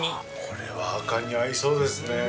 これは赤に合いそうですね。